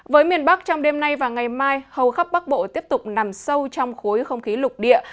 với miền bắc trong đêm nay và ngày mai hầu khắp bắc bộ tiếp tục nằm sâu trong khối không khí lục địa